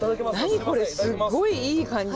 何これすっごいいい感じの。